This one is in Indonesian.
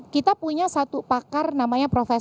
kita punya satu pakar namanya profesor